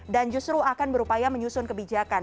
justru akan berupaya menyusun kebijakan